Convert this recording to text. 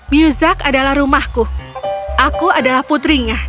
muzak adalah rumahku aku adalah putrinya